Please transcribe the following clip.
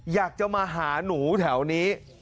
อยากจะมาหาหนูแถวนี้